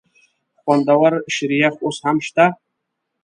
خوندور شریخ اوس هم شته؟